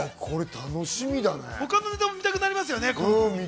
他のネタも見たくなりますよね。